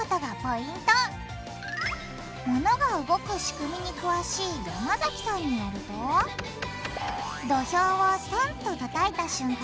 物が動く仕組みに詳しい山崎さんによると土俵をとんとたたいた瞬間